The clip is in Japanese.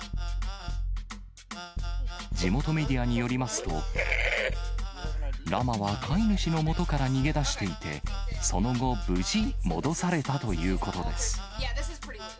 地元メディアによりますと、ラマは飼い主のもとから逃げ出していて、その後、無事、戻されたということです。